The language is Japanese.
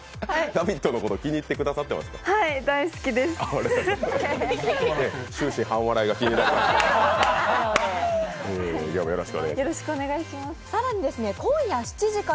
「ラヴィット！」のこと気に入ってくださっていますか？